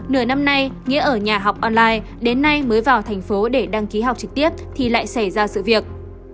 nửa năm nay nghĩa ở nhà học online đến nay mới vào thành phố để đăng ký học trực tiếp thì lại xảy ra sự việc